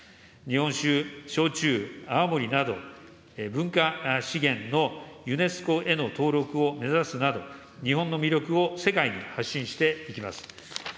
日本酒、焼酎、泡盛など、文化資源のユネスコへの登録を目指すなど、日本の魅力を世界に発信していきます。